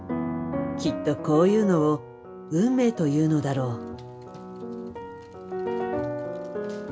きっとこういうのを運命というのだろう。